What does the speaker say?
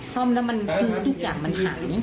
ซ่อมแล้วมันคือทุกอย่างมันหาย